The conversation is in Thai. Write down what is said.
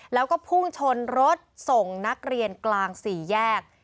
แล้วก็พุ่งชนรถส่งนักเรียนกลางสี่แยก